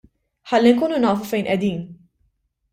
Ħalli nkunu nafu fejn qegħdin.